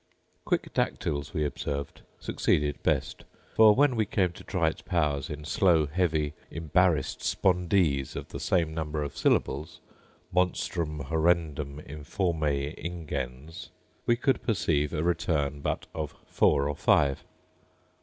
Quick dactyls, we observed, succeeded best; for when we came to try its powers in slow, heavy, embarrassed spondees of the same number of syllables, Monstrum horrendum, informe, ingens … we could perceive a return but of four or five.